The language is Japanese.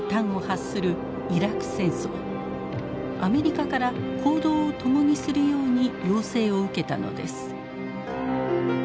アメリカから行動を共にするように要請を受けたのです。